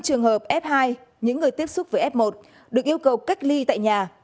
một trăm linh trường hợp f hai những người tiếp xúc với f một được yêu cầu cách ly tại nhà